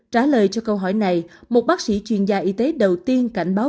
trả lời cho câu hỏi này một bác sĩ chuyên gia y tế đầu tiên cảnh báo